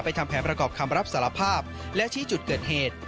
ทำแผนประกอบคำรับสารภาพและชี้จุดเกิดเหตุ